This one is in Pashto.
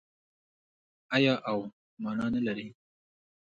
آیا او مانا نلري؟